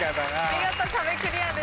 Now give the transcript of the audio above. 見事壁クリアです。